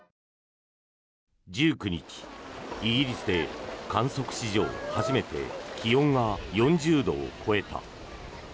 １９日、イギリスで観測史上初めて気温が４０度を超えた。